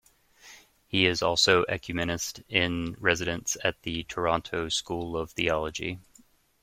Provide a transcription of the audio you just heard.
He is also Ecumenist in Residence at the Toronto School of Theology.